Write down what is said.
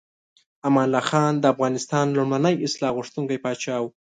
امان الله خان د افغانستان لومړنی اصلاح غوښتونکی پاچا و.